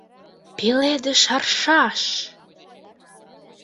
ПЕЛЕДЫШ АРШАШ